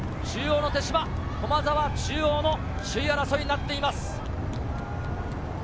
駒澤、中央の首位争いになっています。